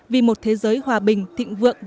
vì một thế giới hòa bình